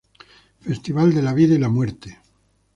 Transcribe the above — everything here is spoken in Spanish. Festival de la vida y la muerte.